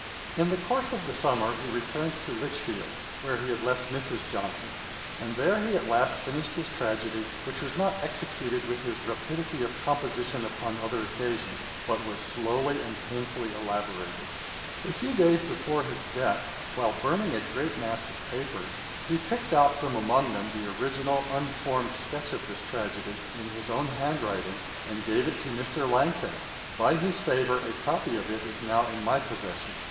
] In the course of the summer he returned to Lichfield, where he had left Mrs. Johnson, and there he at last finished his tragedy, which was not executed with his rapidity of composition upon other occasions, but was slowly and painfully elaborated. A few days before his death, while burning a great mass of papers, he picked out from among them the original unformed sketch of this tragedy, in his own hand writing, and gave it to Mr. Langton, by whose favour a copy of it is now in my possession.